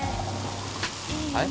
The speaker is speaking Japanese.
はい？